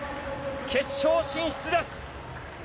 決勝進出です。